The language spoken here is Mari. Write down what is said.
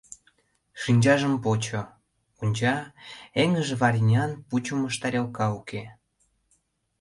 Шинчажым почо — онча, эҥыж варенян пучымыш тарелка уке.